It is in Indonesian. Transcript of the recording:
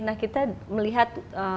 nah kita melihat